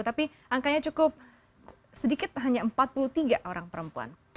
tapi angkanya cukup sedikit hanya empat puluh tiga orang perempuan